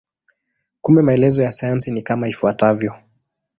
Kumbe maelezo ya sayansi ni kama ifuatavyo.